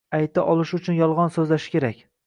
ayta olishi uchun yolg'on so'zlashi lozim.